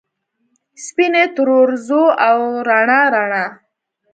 سپینې ترورځو ، او رڼا ، رڼا